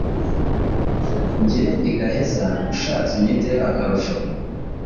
Njye ndi gaheza ushatse unyite akarusho